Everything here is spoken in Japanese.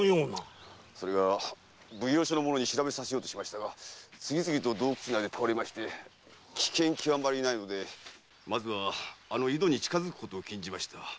それが奉行所の者に調べさせようとしましたが次々と洞窟内で倒れまして危険極まりないのでまずはあの井戸に近づくことを禁じました。